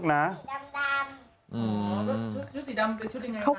อ๋อหน้าแม่โบเหมือนเบเบ